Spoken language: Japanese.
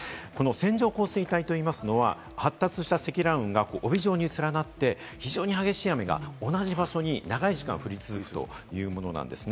線状降水帯といいますのは、発達した積乱雲が帯状に連なって非常に激しい雨が同じ場所に長い時間降り続くというものなんです。